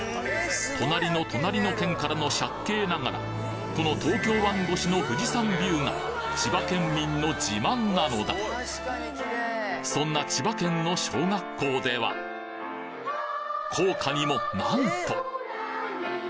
隣の隣の県からの借景ながらこの東京湾越しの富士山ビューが千葉県民の自慢なのだそんな千葉県の小学校では校歌にも何と